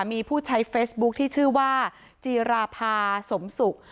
มีผู้ใช้เฟซบุ๊คที่ชื่อว่าจีราภาสมศุกร์